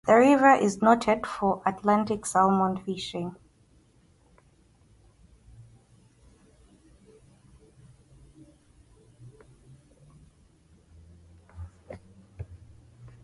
The river is noted for Atlantic Salmon fishing.